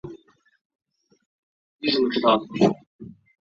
六角光滑球虫为光滑球虫科光滑球虫属的动物。